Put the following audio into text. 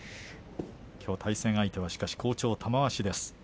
きょう対戦相手はしかし、好調の玉鷲です。